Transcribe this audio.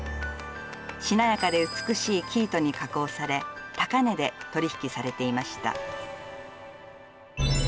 しなやかで美しい生糸に加工され高値で取り引きされていました。